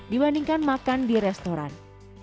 dibandingkan makan di restoran